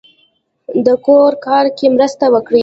د کور کار کې مرسته وکړئ